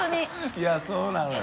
いやそうなのよ。